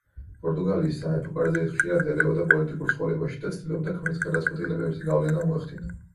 პორტუგალიის სამეფო კარზე ის ხშირად ერეოდა პოლიტიკურ ცხოვრებაში და ცდილობდა ქმრის გადაწყვეტილებებზე გავლენა მოეხდინა.